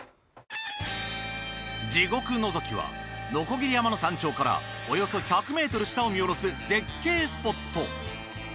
地獄のぞきはのこぎり山の山頂からおよそ１００ｍ下を見下ろす絶景スポット。